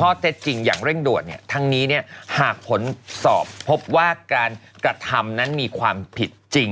ข้อเจ็ดจริงอย่างเร่งด่วนทั้งนี้หากผลสอบพบว่าการกระทำนั้นมีความผิดจริง